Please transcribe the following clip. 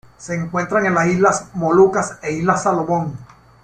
Se encuentran en las Islas Molucas e Islas Salomón.